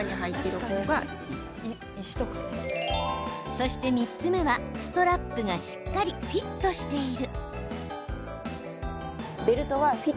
そして３つ目はストラップがしっかりフィットしている。